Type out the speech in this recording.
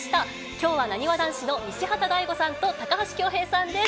きょうはなにわ男子の西畑大吾さんと、高橋恭平さんです。